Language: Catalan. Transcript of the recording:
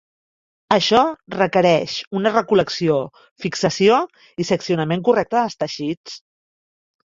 Això requereix una recol·lecció, fixació i seccionament correcta dels teixits.